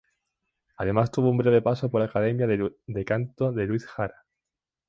Además tuvo un breve paso por la academia de canto de Luis Jara.